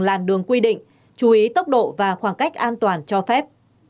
làn đường quy định chú ý tốc độ và khoảng cách an toàn cho phép